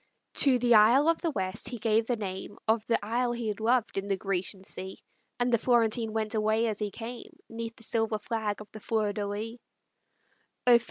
To the isle of the West he gave the name Of the isle he had loved in the Grecian sea; And the Florentine went away as he came, 'Neath the silver flag of the Fleur de lis.